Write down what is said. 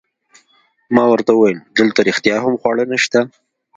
ما ورته وویل: دلته رښتیا هم خواړه نشته؟